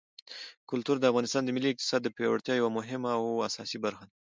کلتور د افغانستان د ملي اقتصاد د پیاوړتیا یوه مهمه او اساسي برخه ده.